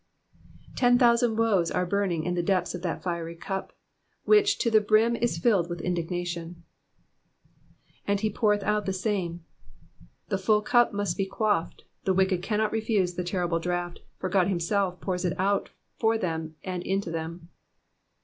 '' Ten thousand woes are burning in the depths of that fiery cup, which to the brim is filled with indignation. And he poureth out of the same.'''' The full cup must be quaffed, the wicked cannot refuse the terrible draught, for €k>d himself pours it out for them and into them.